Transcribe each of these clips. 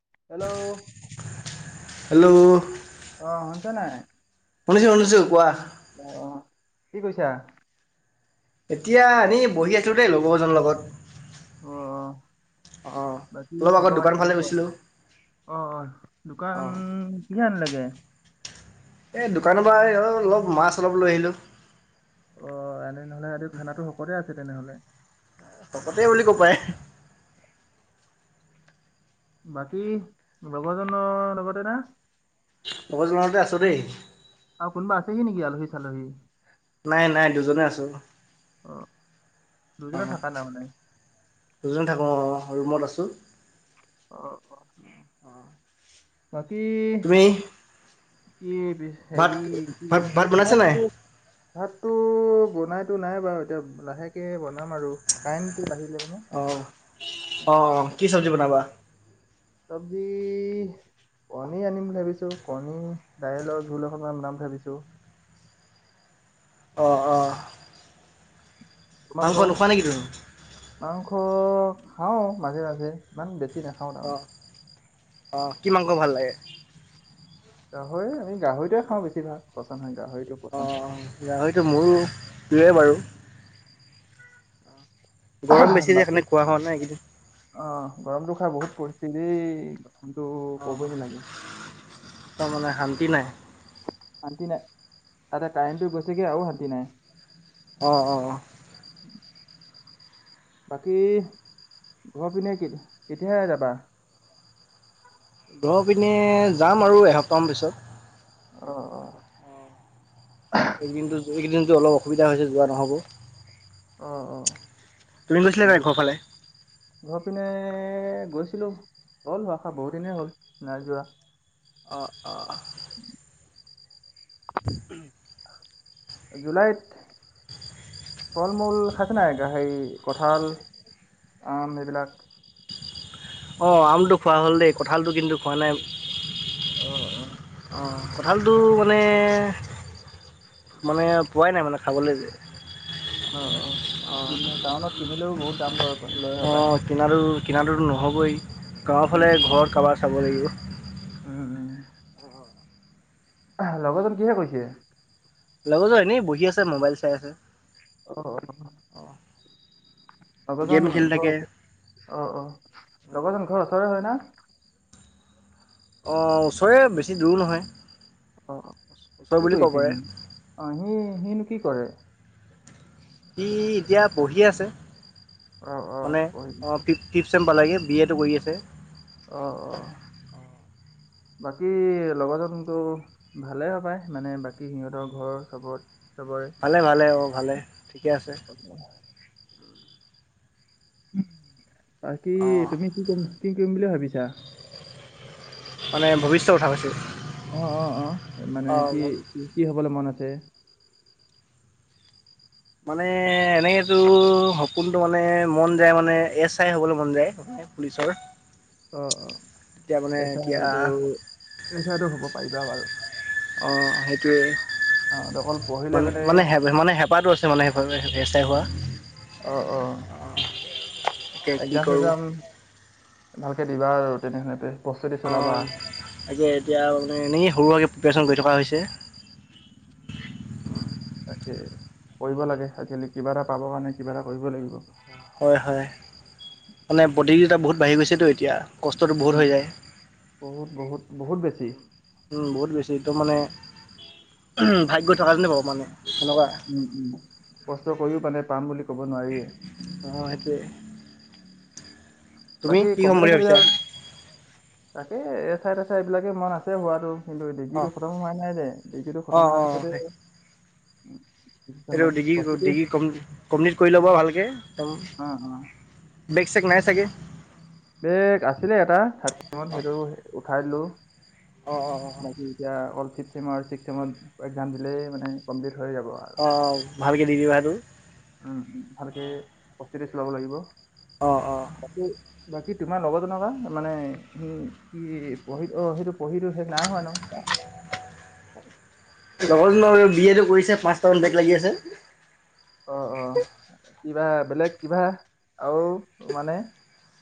Hello hello অ শুনিছ নাই শুনিছো শুনিছোঁ কোৱা অ কি কৈছা এতিয়া এনেই বহি আছিলো দেই লগৰ এজনৰ লগত উ অ অঁ বাকী অলপ আগত খবৰ দোকান খাতি ফালে কেনেকুৱা গৈছিলোঁ অ অ দোকান অঁ কিহে আনিলিগে এ দোকানৰ পৰা আহ অলপ মাছ অলপ লৈ আহিলো অ এনেনেহলে ৰাতি খানা শকতে আছে তেনেহ'লে শকতে বুলি ক'ব পাই বাকী লগজনৰ লগতে না লগৰ জনতে আছো দেই আৰু কোনোবা আছেহি নেকি আলহী চালহী নাই নাই দুজনে আছো অ অ দুইজনে থাকা নাই মানে দুজন থাকো অ অ ৰোমত আছোঁ। আহ অ অঁ বাকী তুমি কি ভাত হেৰি কি ভাত বনাইছা নাই ভাত ভাতটো বনাই। টো নাই বাৰু এতিয়া লাহেকে বনাম আৰু কাৰেনটো লাহ আহ আহ অ কি চব্জি বনাবা? চাব্জি কণী আনিম বুলি ভাবিছো কণী দাইলৰ জোল এখনমান বনাম ভাবিছো। [unintelligible] অঁ অঁ মাংস তোমালোক নোখোৱা নেকি তুমি মাংস খাওঁ মাজে মাজে ইমান বেছি নাখাওঁ তাৰমানে অ কি মাংস ভাল লাগে গাহৰি আমি গাহৰিটোৱে খাওঁ বেছি ভাগ পচন্দ হয় গাহৰিটো অ পচন্দ হয় গাহৰিটো মোৰো প্ৰিয় বাৰু গৰম বেছি যে বাকী সেইকাৰণে খোৱা হোৱা নাই এইকেইদিন। অ গৰমটো খা বহুত পৰিছে দেই। কিন্তু কবই অ', নালাগে মানে শান্তি নাই। শান্তি নাই তাতে কাৰেণ্টটো গৈছেগে আৰু শান্তি নাই অ অ অ বাকী ঘৰ পিনে কেতিয়াহে যাবা ঘৰ পিনে যাম আৰু এসপ্তাহ মানৰ পিছত। আহ অ এইদিন এইকেইদিনটো অলপ অসুবিধা হৈছে যোৱা নহ'ব। অ অ। তুমি গৈছিলছিলা নাই ঘৰফালে গৈছিলো হ'ল হোৱা খা বহুত দিনেই হ'ল নাই যোৱা। অ অ জুলাইত ফল মূল খাইছে নাই গা হেই কঠাল আম এইবিলাক অঁ আমটো খোৱা হ'ল দেই কঁঠালটো কিন্তু খোৱা নাই। আহ আহ। অ', কঁঠালটো মানে মানে পোৱাই নাই মানে খাবলৈ যে অ অ ক টাউনত কিনিলেও বহুত দাম লয়। লয় হপায়। অঁ কিনাটো কিনাটো নহ'বই গাঁৱৰ উম, ফালে ঘৰ কাৰোবাৰ চাব লাগিব। উম। আহ লগৰজন কিহে কৈছে? লগৰ জন এনে বহি আছে মোবাইল চাই আছে। অ অ', গেম লগজন খেলি ঘৰ থাকে। উছৰে অ অ লগতজন ঘৰ ওচৰে হয়। না অ ওচৰৰে বেছি দূৰো নহয়। অ ওচৰ কি বুলি ক'ব কৰিছে পাৰে অ সি সিনো কি কৰে। সি এতিয়া পঢ়িয়ে আছে অ', মানে অ'। ফিফ চেম লাগে বি এ টো কৰি আছে। আহ অ। বাকী লগৰজনতো ভালে পায় মানে বাকী সিহঁতৰ ঘৰ চবত চবৰে। ভালে ভালে অঁ ভালে ঠিকে আছে। বাক কি অঁ তুমি কি কৰিম কি কৰিম বুলি ভাবিছা। মানে ভৱিষ্যত কথা কৈছে। অ অ অ মানে কি কি হবলৈ মন আছে। মানে এনেকেতো সপোনতটো মানে মন যায় মানে এ চাই হবলৈ মন যায়। পুলিচৰ অ অ এতিয়া মানে এচাই এতিয়া হলেতো এচাই টো হ'ব পাৰিবা বাৰু অঁ সেইটোৱেই অ অকল পঢ়িলে মানে মানে হে মানে হেঁপাহটো আছে মানে সেইবাবে এছ আই হোৱা। আহ অ অঁ এতিয়া কি এক্সাম কৰোঁ চেক্সাম। ভালকৈ দিবা আৰু তেনেহলে যে। অ তাকে এতিয়া মানে এনে সৰু প্ৰিপেৰেচন কৰি থকা হৈছে। তাকে কৰিব লাগে আজিকালি কিবা এটা পাব কাৰণে কিবা এটা কৰিবই লাগিব। হয় হয় মানে প্ৰতিযোগিতা বহুত বাঢ়ি গৈছেতো। এতিয়া কষ্টটো বহুত উম, হৈ যায় বহুত বহুত বহুত বেছি বহুত বেছি। টো মানে ভাগ্য থকা যেনে বাৰু মানে সেনেকুৱা উম উম কষ্ট কৰিও মানে পাম বুলি কব নোৱাৰি এই অহ সেইটোৱে তুমি বাকী কি হ'ম কম্পিউটাৰ বুলি ভাবিছা চাবিউটাৰ তাকে এ চাই তেচাই এইবিলাকে মন আছে হোৱাতটো কিন্তু অঁ ডিগ্ৰীটো খতম হোৱা নাই যে ডিগ্ৰীটো অঁ খতম হোৱাৰ পিছতে ডিচিশ্যন এই ল'ম ডিগ্ৰী প্ৰস্তুতি ডিগ্ৰী কমপ্লিট কৰি ল'ব ভালকৈ অ', অ', এক বেগ চেক নাই চাগে। বেগ আছিলে এটাাত অঁ সেইটো উঠাই দিলো। অঁ অঁ অঁ এতিয়া অ ফাম দিলেই মানে কমপ্লিট হৈ যাব আৰু অঁ ভালকে দিবি বা সেইটো উম, ভালকে প্ৰস্তুতি চলাব লাগিব। অঁ অ বাকী বাকী তোমাৰ লগৰ জনৰ কা মানে সি কি পঢ়ি অ সেইটো পঢ়িটো শেষ নাই হোৱা ন। [unintelligible] লগৰ জনৰ বি এ টো কৰি আছে পাঁচটা মান বেগ লাগি আছে। অ অ কিবা বেলেগ কিবা আৰু মানে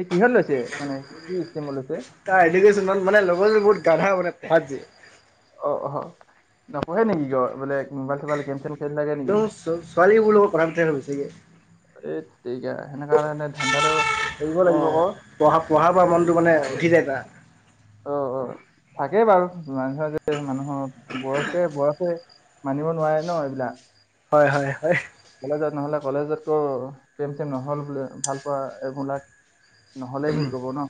এই কিহত লৈছে মানে কি? ষ্টিমত লৈছে তাৰ এডুকেশ্বন মানে লগৰ জন বহুত গাধা মানে পঢ়াত যে, অ অ নপঢ়ে নেকি ক বোলে মোবাইল চোবাইল গেম চেম খেলি থাকে নেকি ছোৱালীবোৰৰ লগত কথা পাতি থাকে বেছিকে এই তেৰিকা সেনকা হলে মানে ধানদাটো কৰিবব লাগিব অ', ক পঢ়া পঢ়াৰ পৰা মনটো মানে উঠি যায় টা থাকেই বাৰু মানুহৰ যে মানুহৰ বয়সে বয়সে মানিব নোৱাৰে ন এইবিলাক হয় হয় হয়। কলেজত নহ'লে কলেজতকৈ প্ৰেম চেম নহ'ল বোলে ভাল পোৱা এইবিলাক নহ'লে বুলি কব ন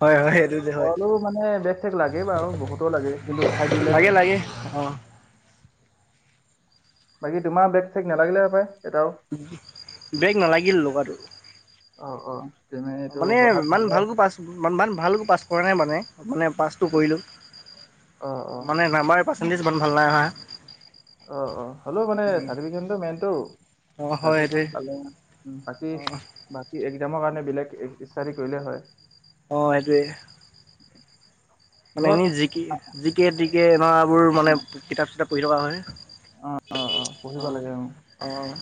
হয়, হয়, এইটো যে হয়, সলো মানে বেগ ঠেগ লাগে বাৰু বহুতো লাগে কিন্তু উঠাই দিলে লাগে হয় লাগে অ [inaudible] বাকী তোমাৰ বেগ চেক নালাগিলে সপাই বেগ নালাগিল আৰু অ অ তুমি অ এইটো মানে পঢ়াত ইমান ভালে ভালকৈ পাছ ইমান ভালকৈ পাছ কৰা নাই মানে মানে পাছটো কৰিলোঁ [inaudible] অ', মানে নাম্বাৰ পাৰ্চেণ্টেজ ইমান ভাল নাই অহা। অ অ হলো মানে চাৰটিফিকেত খন টো মেইনটো অ', হয় চাৰ্তকেখন সেইটোৱে পালে বাকী অ', বাকী এ ক্সামৰ কাৰণে বেলেগ ইষ্টাদি কৰিলে হয়। অ সেইটোৱে। মানে ঘৰত এনেই জিকে জিকে তিকে এনকাবোৰ মানে কিতাপ চিতাপ পঢ়ি থকা হয়। অ', অ', অ', অঁ অঁ। গো খ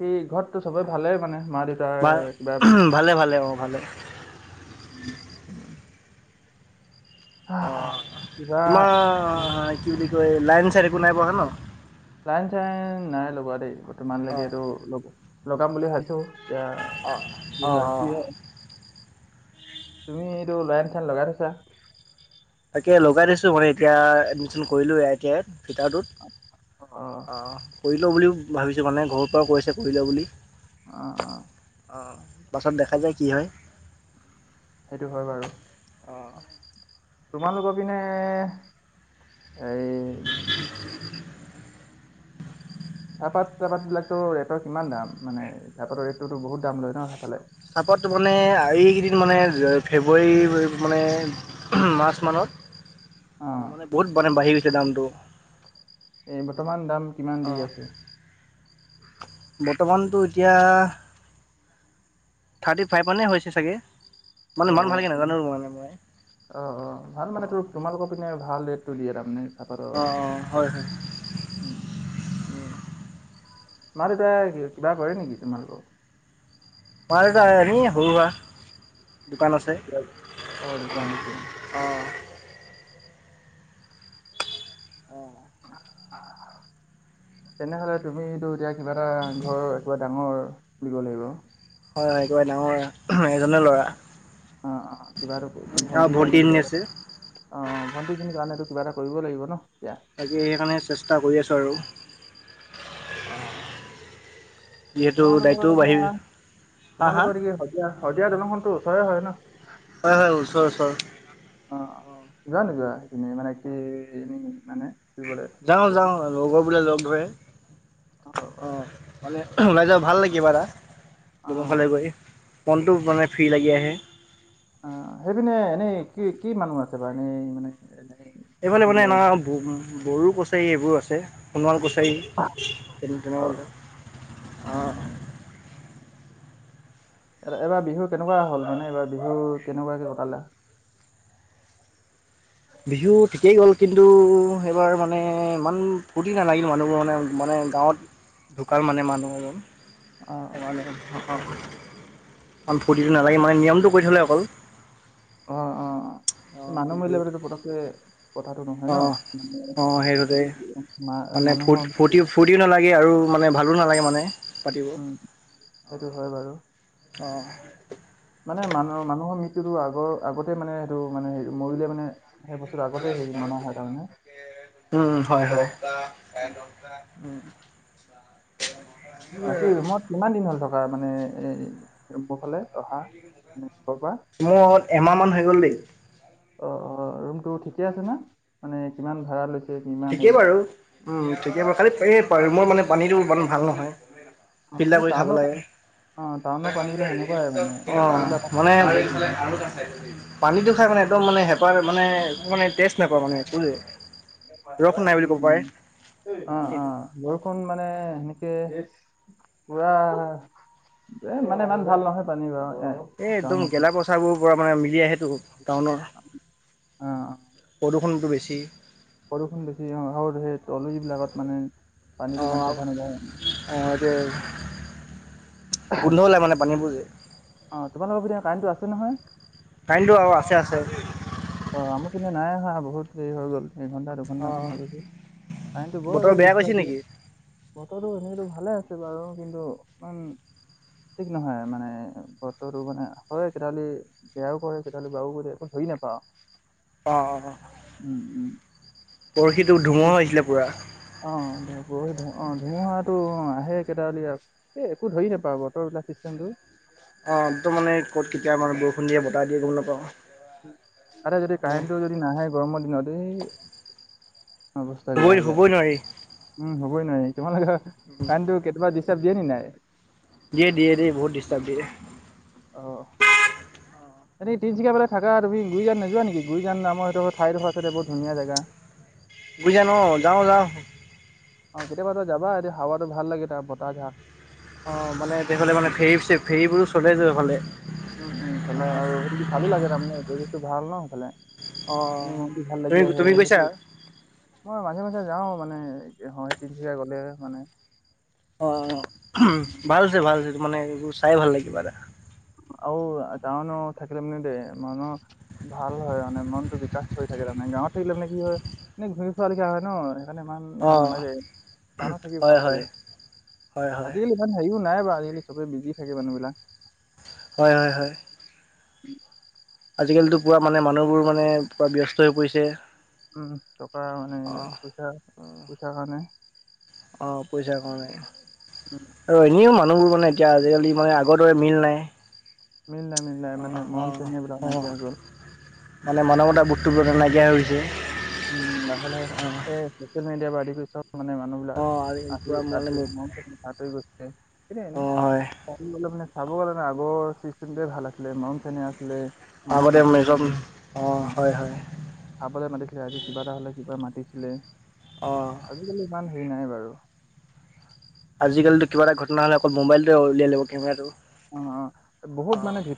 এই ঘৰতটো সবৰে ভালেই মানে? মা দেউতাৰ ভা কিবা ভালে ভালে অঁ ভালে। আহ, অঁ। কিবা তোমাৰ কি বুলি কয় লাইন চাইন একো নাই পঢ়া ন? লাইন চাইন নাই লগোৱা দেই বৰ্তমানলৈকে অ', এইটো লগাম বুলি ভাবিছো। এতিয়া অ', কি অ', হয় কি অ', হয়। তুমি এইটো লাইন চাইন লগাই থৈছা? তাকে লগাই থৈছো, মানে এতিয়া এডমিশন কৰিলো আই টি আইত অ', অ', ফিটাৰটোত। কৰি লওঁ বুলিও ভাবিছোঁ মানে ঘৰুৰ পৰাও কৈছে কৰি ল' বুলি। আঁ অঁ। অ পাছত দেখা যায় কি হয়। সেইটো হয় বাৰু। অঁ। তোমালোকৰ পিনে এই চাহপাত তাপাত বিলাকতো ৰেটৰ কিমান দাম? মানে চাহপাতৰ ৰেটটোতো বহুত দাম লয় ন সেইফালে? চাহপাতটো মানে এইকেইদিন মানে ফেব্ৰুৱাৰী মানে মাৰ্চ অ মানত মানে বহুত মানে বাঢ়ি গৈছিলে দামটো। এই বৰ্তমান দাম কিমান দি অ', আছে? বৰ্তমানতো এতিয়া থাৰ্টিফাইভ মানে হৈছে চাগে। অঁ মানে ইমান ভালকে অঁ, নাজানো মানে মই। অঁ অঁ ভাল মানে অ', তোৰ তোমালোকৰ পিনে ভাল ৰেট টো দিয়ে তাৰমানে। চাহপাতৰ অঁ অঁ হয় হয়। মাঁ দেউতায়ে কিবা কৰে নেকি তোমালোক? মাঁ দেউতা এনেই সৰুসুৰা। অ দোকান দিছে। [inaudible] তেনেহলে তুমিতো এতিয়া কিবা এটা ঘৰৰ একেবাৰে ডাঙৰ বুলি ক'ব লাগিব? হয় হয় একেবাৰে ডাঙৰ, এজনে ল'ৰা। অঁ অঁ কিবাটো আৰু ভণ্টিৰ ভণ্টি কাৰণে এজনী কিবা এটা আছে। অ ভণ্টি জনীৰ কাৰণেটো কিবা এটা কৰিব লাগিব ন? এতিয়া তাকে সেইকাৰণে চেষ্টা কৰি আছো আৰু। যিহেতু তোমালোকৰ দায়িত্বও এতিয়া বাঢ়িল হা হা তোমালোকৰ দিগি শদিয়া দলংখনটো ওচৰে হয় ন? হয় হয় ওচৰ ওচৰ। অ অ' যোৱা নোযোৱা সেইপিনে মানে কি এনে মানে? ফুৰিবলে যাওঁ যাওঁ লগৰ বিলাকে লগ ধৰে। অ অঁ মানে ওলাই যাওঁ, ভাল লাগে কিবা এটা, অ দলং ফালে গৈ মনটো মানে ফ্ৰী লাগি আহে। আঁ সেইপিনে এনেই কি কি মানুহ আছে বাৰু এনেই মানে এনে? এইফালে মানে এনেকুৱা বড়ো কছাৰী এইবোৰ আছে। সোণোৱাল কছাৰী তেনে তেনেকুৱা অ বিলাক। অঁ। উম, এইবাৰ বিহু কেনেকুৱা হ'ল, মানে এইবাৰ বিহু কেনেকুৱাকে কটালা? বিহু ঠিকেই গ'ল, কিন্তু এইবাৰ মানে ইমান ফূৰ্তি নালাগিল, মানুহবোৰ মানে মানে গাঁৱত ঢুকাল মানে মানুহ এজন। অ ফুৰ্তিটো নালাগিল মানে নিয়মটো কৰি থ'লে অকল। অঁ অঁ অঁ। অঁ মানুহ বিহু মৰিলে বোলাটো পতককে কথাটো নহয় ন অঁ অঁ সেইটোতে মানে [inaudible] মানে ফূ্ত মৃত্যু। ফূৰ্তি ফৰ্তিও নালাগে আৰু মানে ভালো নালাগে মানে। পাতিব উম সেইটো হয় বাৰু। অঁ। মানে মানুহৰ মানুহৰ মৃত্যুটো আগৰ আগতে মানে সেইটো মানে হেৰি মৰিলে মানে সেই বস্তুটো আগতে হেৰি মনা হয় তাৰমানে উম হয় হয়। উম। বাকী ৰুমত কিমান দিন হ'ল থকা মানে এ ৰুমবোৰ ফালে অহা মানে ঘৰৰ পৰা মোৰ হল এমাহমান হৈ গ'ল দেই অ অ ৰুম টো ঠিকে আছে না মানে কিমান ভাড়া লৈছে? কিমান ঠিকেই হেৰি বাৰু উম ঠিকেই বাৰু খালি মোৰ মানে পানীটো ভাল নহয় অ এই ফিল্টাৰ কৰি খাব টাউনৰ অ টাউনৰ লাগে। পানীবিলাক সেনেকুৱাই মানে অ সেইবিলাক আকৌ মানে খাবই লাগিব পানীতটো খাই মানে একদম মানে হেঁপাৰ মানে মানে টেষ্ট নাপাওঁ মানে। ৰস নাই বুলি ক'ব উম পাৰে অ অ পানীটো। বৰষুণ মানে সেনেকে পুৰা এ মানে ইমান ভাল নহয় পানী বাৰু এ একদম টাউনত গেলা পচাৰ বোৰ পৰা মানে মিলি আহিল টাউনৰ অ প্ৰদূষণটো বেছি বৰষুণ বেছি স সেই তলবিলাকত মানে পানীটো ইমান অ', অ', চাফা নকৰে এইটো গোন্ধ ওলায় মানে পানীবোৰ যে অ তোমালোকৰ পিনে কাৰেণ্টটো আছে নহয় কাৰেণ্টটো আৰু আছে আছে অ আমু পিনে নাই হা বহুত দেৰি হৈ গ'ল এঘণ্টা দুঘণ্টামান অ'। হৈ গৈছে কাৰেণ্টটো বৰ বতৰ বেয়া কৰিছে ডিষ্টাৰ্ব দিয়ে নেকি? ব তো টো সেনেকো ভালে আছে বাৰু কিন্তু ইমান ঠিক নহয় মানে বততো মানে হয় কেতিহলি বেয়াও কৰে কেতি বাৰু বুলি কি নেপাও? অ অ। উম। পৰশিটো ধুমুহা হৈছিলে পুৰা। বেইটো [inaudible] অ ধুমুহাটো অ আহে কেইটা হলে আৰু এই একো ধৰি নেপা বতৰবিলাক চিষ্টেমটো। অ একদম মানে ক'ত কেতিয়া মানে বৰষুণ দিয়ে বতাহ দিয়ে গম নাপাওঁ। আটে যদি মানে কাৰেণ্টটো যদি নাহে গৰমৰ দিনত এই অৱস্থা বেয়া শুবই হৈ যায়, শুবই নোৱাৰি। উম হবই নোৱাৰি তোমালোকৰ কাৰণটো কেতিয়াবা দি চবজিয়ে ন নাই? দিয়ে দিয়ে দিয়ে বহুত ডিষ্টাৰ্ব দিয়ে। আহ। এনেই তিনিচুকীয়া বো থাকা তুমি গুইজান নোযোৱা নেকি গুইজান নামৰ সেইটো ঠাইডোখ আছে বহুৰ ধুনীয়া জাগা। বুজা ন যাও যাও। অ কেতিয়াবা তই যাবা এতিয়া হাৱাটো ভাল লাগে তাত বতাহ যা অ মানে তেহলে মানে ফেৰী ফেৰীবোৰো চলে যেফালে উম উম তালে আৰু সেইটো ভালো লাগে তাৰমানে পৰিৱেশটো ভাল ন সেইফালে। অ মনটো ভাল তুমি লাগি আহে তুমি গৈছা সেইটো মই মাজে মাজে যাও। মানে হয়েই তিনচুকীয়া গলে মানে অ উহুম উম, ভালছে ভালছে ত মানে এইবোৰ চাই ভাল লাগিবা এটা তো টাউনো থাকিলে মানে দে মন ভাল হয় মানে মনটো বিকাশ হৈ থাকিলে মানে গাঁৱতে থাকিলে মানে কি হয় এনে ঘূমি ফোৱা লিখা হয় ন। মানে ইমান অ ভাল নালাগে, টাউনত থাকি হয় ভাল লাগে। হয় হয় হয় আজিকালি ইমান হেৰিও নাই বাৰু, আজিকালি চবে বিজি থাকে মানুহবিলাক। হয় হয় হয়। উম। আজিকালিতো পুৰা মানে মানুহবোৰ মানে পুৰা ব্যস্ত হৈ পৰিছে। উম টকা মানে অ পইচা পইচা কাৰণে। অ পইচা কাৰণে উম, আৰু এনেও মানুহবোৰ মানে এতিয়া আজিকালি মানে আগৰ দৰে মিল নাই। মিল নাই মিল নাই অঁ মানে মৰম অঁ চেনেহ এইবিলাক অঁ নাইকিয়া হৈ গ'ল। মানে মানৱতা বু্তুব নাইকিয়া হৈ হৈছে। উম লাহে লাহে এই চচিয়েল মিডিয়াৰ পৰা আদি কৰি চ মানে অ অ মানুহবিলাক, আঁতৰি পুৰা আঁতৰি মানে মন আঁতৰি গৈছে সদ অঁ হয় [inaudible] মন গলে মানে চাব গ'লে মানে আগৰ চিষ্টেম ভাল আছিলে মউ চেন আছিলে। মানুহ আগতে মেজম মাতিছিলে অ হয় হয়। খাবলৈ মাতিছিলে আজি কিবা এটা হলে কিবা মাতিছিলে। অঁ আজিকালি ইমান হেৰি নাই বাৰু। আজিকালি কিবা এটা ঘটনা হ'লে অকল মোবাইলতে উলিয়াই লব কেমৰাটো অ অ বহুত মানে ভিত